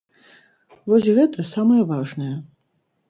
Вось гэта самае важнае.